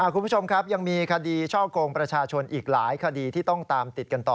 คุณผู้ชมครับยังมีคดีช่อกงประชาชนอีกหลายคดีที่ต้องตามติดกันต่อ